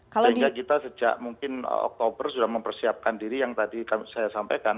sehingga kita sejak mungkin oktober sudah mempersiapkan diri yang tadi saya sampaikan